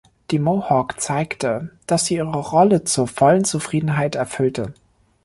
Die Mohawk zeigte, dass sie ihre Rolle zur vollen Zufriedenheit erfüllte.